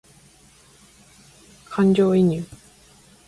感情移入